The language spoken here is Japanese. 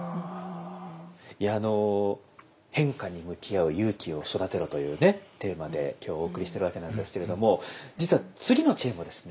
いやあの「変化に向き合う勇気を育てろ」というねテーマで今日お送りしてるわけなんですけれども実は次の知恵もですね